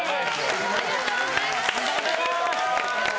ありがとうございます！